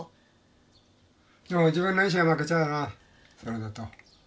でも自分の意志が負けちゃうよなそれだと。